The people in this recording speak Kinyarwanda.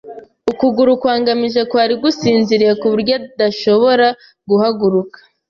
Ukuguru kwa ngamije kwari gusinziriye kuburyo adashobora guhaguruka.